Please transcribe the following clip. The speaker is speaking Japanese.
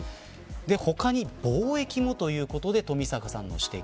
他に貿易もということで富坂さんの指摘。